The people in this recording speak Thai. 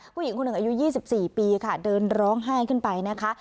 ผู้หญิงคนหนึ่งอายุ๒๔ปีค่ะเดินร้องไห้ขึ้นไปนะคะ